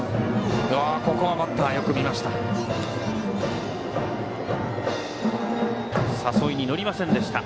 ここはバッター、よく見た。